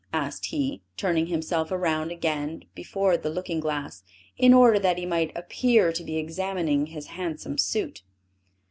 asked he, turning himself round again before the looking glass, in order that he might appear to be examining his handsome suit.